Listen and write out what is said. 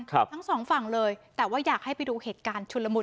ทั้งสองฝั่งเลยแต่ว่าอยากให้ไปดูเหตุการณ์ชุนละมุน